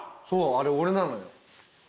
そうあれ俺なのよ。